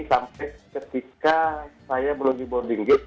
sampai ketika saya melalui boarding gate